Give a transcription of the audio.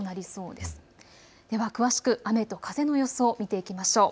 では詳しく雨と風の予想を見ていきましょう。